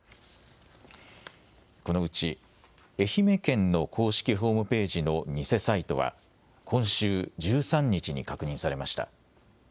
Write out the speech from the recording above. このうち愛媛県の公式ホームページの偽サイトは今週１３日に確認されました。